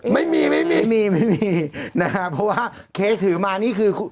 ไม่มีนะครับเพราะว่าเคสถือมานี่คือ